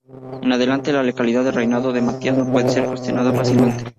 En adelante, la legalidad del reinado de Matías no podía ser cuestionada fácilmente.